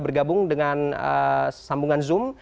bergabung dengan sambungan zoom